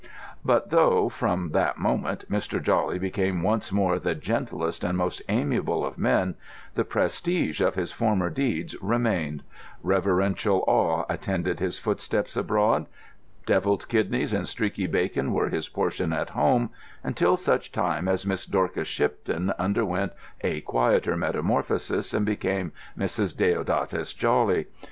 But though, from that moment, Mr. Jawley became once more the gentlest and most amiable of men, the prestige of his former deeds remained; reverential awe attended his footsteps abroad, devilled kidneys and streaky bacon were his portion at home; until such time as Miss Dorcas Shipton underwent a quieter metamorphosis and became Mrs. Deodatus Jawley.